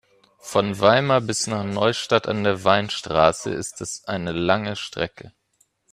Von Weimar bis nach Neustadt an der Weinstraße ist es eine lange Strecke